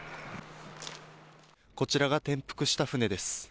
こちらが転覆した船です。